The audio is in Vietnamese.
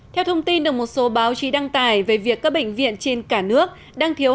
theo thông tin được một số báo chí đăng tải về việc các bệnh viện trên cả nước đang thiếu